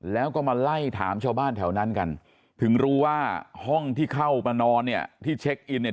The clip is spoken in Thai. แล้วก็มาไล่ถามชาวบ้านแถวนั้นกันถึงรู้ว่าห้องที่เข้ามานอนเนี่ยที่เช็คอินเนี่ย